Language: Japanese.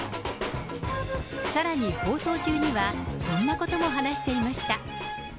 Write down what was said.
さらに放送中には、こんなことも話していました。